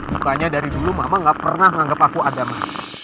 makanya dari dulu mama gak pernah anggap aku ada ma